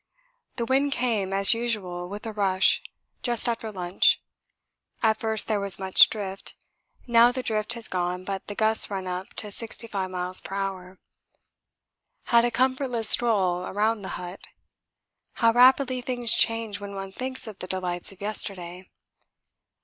The wind came, as usual with a rush, just after lunch. At first there was much drift now the drift has gone but the gusts run up to 65 m.p.h. Had a comfortless stroll around the hut; how rapidly things change when one thinks of the delights of yesterday!